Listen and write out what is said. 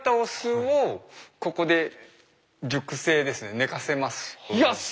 寝かせます。